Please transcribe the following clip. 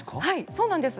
そうなんです。